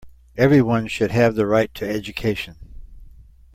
Everyone should have the right to education.